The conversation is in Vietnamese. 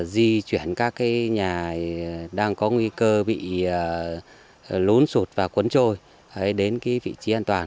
di chuyển các nhà đang có nguy cơ bị lún sụt và cuốn trôi đến vị trí an toàn